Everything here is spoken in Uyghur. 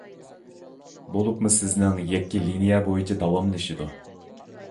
بولۇپمۇ سىزنىڭ يەككە لىنىيە بويىچە داۋاملىشىدۇ.